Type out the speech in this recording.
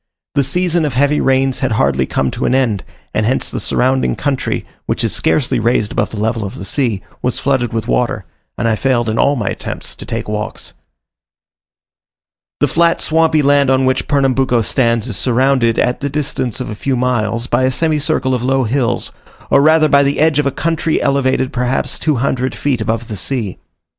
The season of heavy rains had hardly come to an end, and hence the surrounding country, which is scarcely raised above the level of the sea, was flooded with water; and I failed in all my attempts to take walks. The flat swampy land on which Pernambuco stands is surrounded, at the distance of a few miles, by a semicircle of low hills, or rather by the edge of a country elevated perhaps two hundred feet above the sea.